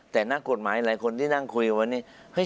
แต่นักกฎหมายหลายคนที่นั่งคุยวันนี้